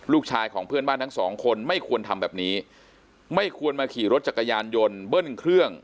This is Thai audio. ลูกชายของเพื่อนบ้านทั้งสองคนไม่ควรทำแบบนี้ไม่ควรมาขี่รถจักรยานยนต์เบิ้ลเครื่อง